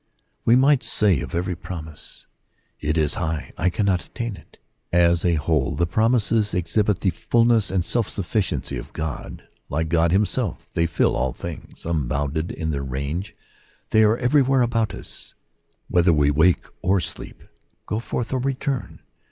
We might say of every promise, " It is high : I cannot attain to it." As a whole, the promises exhibit the fulness and all sufficiency of God: like God himself they fill all things. Unbounded in their range, they are everywhere about us, whether we wake or sleep, go forth or return.